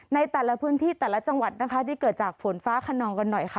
ในแต่ละพื้นที่แต่ละจังหวัดนะคะที่เกิดจากฝนฟ้าขนองกันหน่อยค่ะ